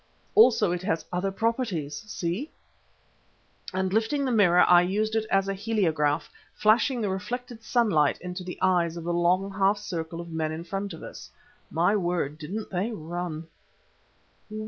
Also it has other properties see," and lifting the mirror I used it as a heliograph, flashing the reflected sunlight into the eyes of the long half circle of men in front of us. My word! didn't they run.